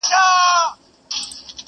نن به یې د وراري خور پر شونډو نغمه وخاندي،